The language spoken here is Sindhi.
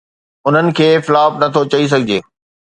انهن کي فلاپ نٿو چئي سگهجي.